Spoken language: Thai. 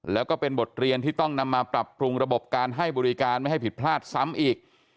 แล้วก็เป็นบทเรียนที่ต้องนำมาปรับปรุงระบบการให้บริการไม่ให้ผิดพลาดซ้ำอีก